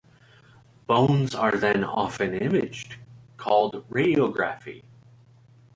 Bones are then often imaged, called radiography.